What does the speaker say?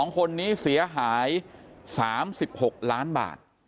๒คนนี้เสียหาย๓๖ล้านบาท